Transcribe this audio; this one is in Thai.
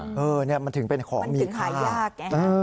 เนี่ยมันถึงเป็นของมีค่านะครับเออมันถึงหายาก